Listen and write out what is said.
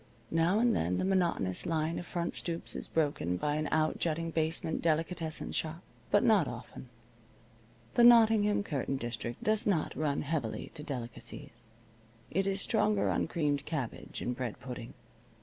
Now and then the monotonous line of front stoops is broken by an outjutting basement delicatessen shop. But not often. The Nottingham curtain district does not run heavily to delicacies. It is stronger on creamed cabbage and bread pudding.